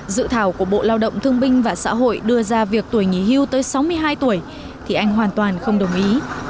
dự thảo của bộ lao động thương binh và xã hội đưa ra việc tuổi nghỉ hưu tới sáu mươi hai tuổi thì anh hoàn toàn không đồng ý